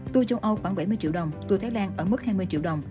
tua châu âu khoảng bảy mươi triệu đồng